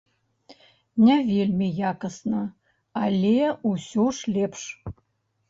Не вельмі якасна, але ўсё ж лепш.